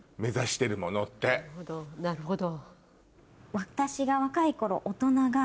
なるほど。